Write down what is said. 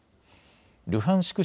ルハンシク